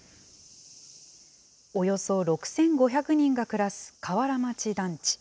およそ６５００人が暮らす河原町団地。